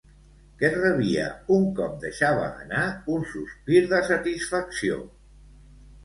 Què rebia un cop deixava anar un sospir de satisfacció?